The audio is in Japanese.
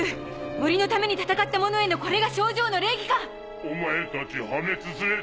森のために戦った者へのこれが猩々の礼儀か⁉お前たち破滅連れてきた。